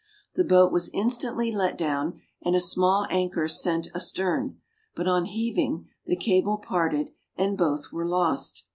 The boat was instantly let down, and a small anchor sent astern, but on heaving, the cable parted, and both were lost.